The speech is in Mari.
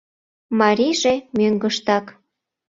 Марийже мӧҥгыштак.